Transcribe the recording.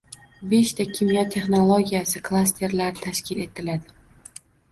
Beshta ta kimyo texnologiyasi klasterlari tashkil etiladi